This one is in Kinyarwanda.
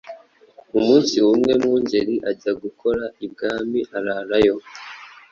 Umunsi umwe Mwungeri ajya gukora ibwami ararayo